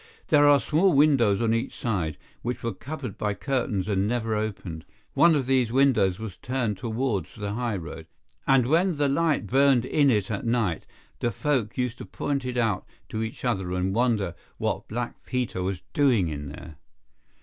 There are small windows on each side, which were covered by curtains and never opened. One of these windows was turned towards the high road, and when the light burned in it at night the folk used to point it out to each other and wonder what Black Peter was doing in there.